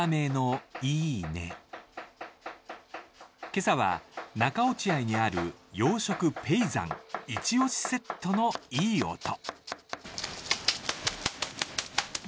今朝は中落合にある洋食ぺいざん、いちおしセットのいい音。